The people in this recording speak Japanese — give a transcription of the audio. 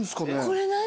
これ何？